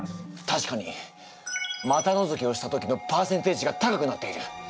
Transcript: たしかに股のぞきをした時のパーセンテージが高くなっている。